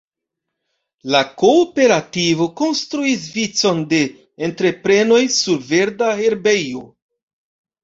La kooperativo konstruis vicon de entreprenoj "sur verda herbejo".